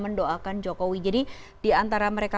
mendoakan jokowi jadi diantara mereka